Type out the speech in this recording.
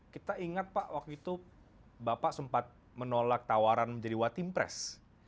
kita ingat pak waktu itu bapak sempat menolak tawaran menjadi watim pres